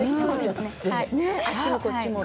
あっちもこっちもって。